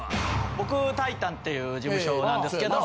僕タイタンっていう事務所なんですけど。